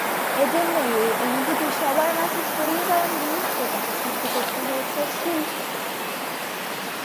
এজন্যই এই অনুভূতি সবার মাঝে ছড়িয়ে দেয়ার নিমিত্তে তাকে সৃষ্টি করতে হয়েছে শিল্পের।